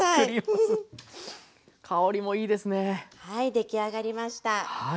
出来上がりました。